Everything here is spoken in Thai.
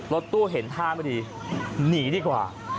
รถตู้เห็นท่าไม่ดีหนีดีกว่า